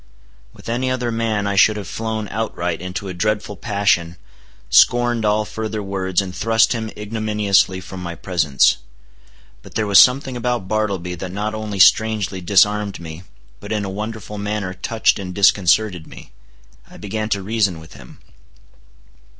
With any other man I should have flown outright into a dreadful passion, scorned all further words, and thrust him ignominiously from my presence. But there was something about Bartleby that not only strangely disarmed me, but in a wonderful manner touched and disconcerted me. I began to reason with him.